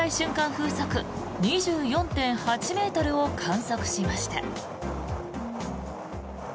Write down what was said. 風速２４．８ｍを観測しました。